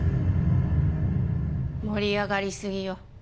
盛り上がりすぎよ。